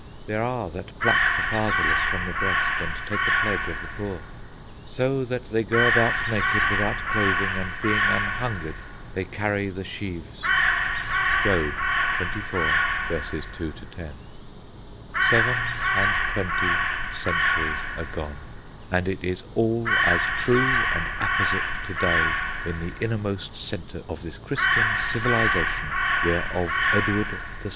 There are that pluck the fatherless from the breast, and take a pledge of the poor. So that they go about naked without clothing, and being an hungered they carry the sheaves.—Job xxiv. 2 10. Seven and twenty centuries agone! And it is all as true and apposite to day in the innermost centre of this Christian civilisation whereof Edward VII.